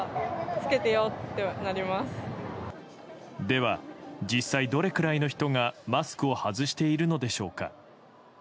では実際、どれくらいの人がマスクを外しているのでしょうか。